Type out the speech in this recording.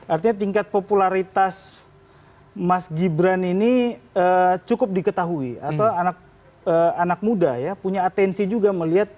artinya tingkat popularitas mas gibran ini cukup diketahui atau anak muda ya punya atensi juga melihat